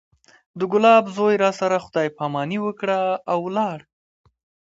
د ګلاب زوى راسره خداى پاماني وکړه او ولاړ.